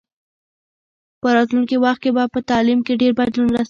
په راتلونکي وخت کې به په تعلیم کې ډېر بدلون راسي.